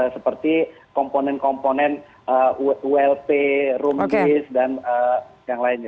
seperti komponen komponen ulp room gas dan yang lainnya